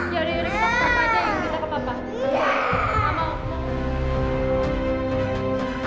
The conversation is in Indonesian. ya udah ya udah ya udah kita ke papa aja kita ke papa